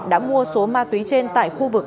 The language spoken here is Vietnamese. đã mua số ma túy trên tại khu vực